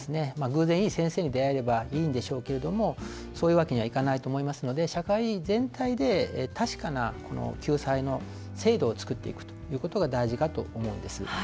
偶然、いい先生に出会えればいいんでしょうけれどもそういうわけにはいかないと思いますので社会全体で確かな救済の制度を作っていくということが大事かと思うんです。